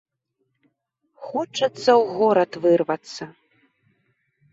Хочацца ў горад вырвацца.